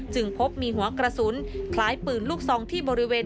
พบมีหัวกระสุนคล้ายปืนลูกซองที่บริเวณ